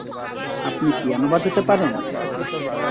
আপনি পিয়ানো বাজাতে পারেন?